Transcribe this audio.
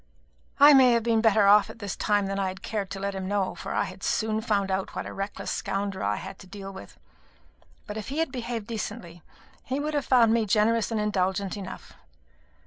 I may have been better off at this time than I had cared to let him know, for I had soon found out what a reckless scoundrel I had to deal with; but if he had behaved decently, he would have found me generous and indulgent enough.